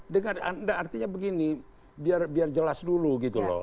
dengan artinya begini biar jelas dulu gitu loh